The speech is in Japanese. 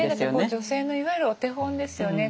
女性のいわゆるお手本ですよね。